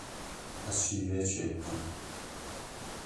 Ez şîvê çêdikim.